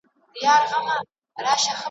تاته د فتح او د رابیا وفا یادیږي؟